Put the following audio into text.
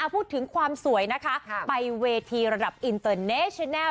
พูดถึงความสวยนะคะไปเวทีระดับอินเตอร์เนชิแลล